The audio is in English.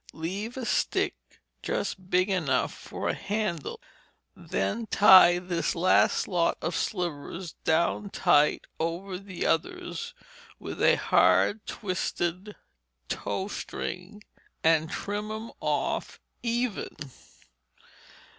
Leave a stick just big enough for a handle. Then tie this last lot of slivers down tight over the others with a hard twisted tow string, and trim 'em off even.